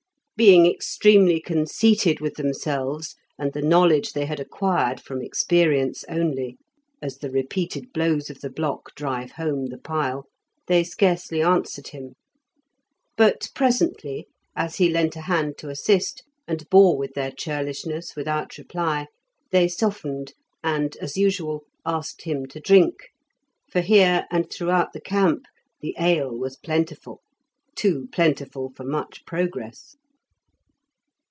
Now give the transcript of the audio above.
Being extremely conceited with themselves and the knowledge they had acquired from experience only (as the repeated blows of the block drive home the pile), they scarcely answered him. But, presently, as he lent a hand to assist, and bore with their churlishness without reply, they softened, and, as usual, asked him to drink, for here, and throughout the camp, the ale was plentiful, too plentiful for much progress.